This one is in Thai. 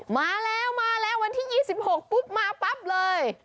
มาแล้วมาแล้ววันที่๒๖ปุ๊บมาปั๊บเลย